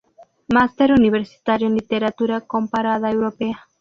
Máster Universitario en Literatura Comparada Europea.